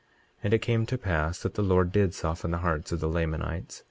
23:29 And it came to pass the the Lord did soften the hearts of the Lamanites.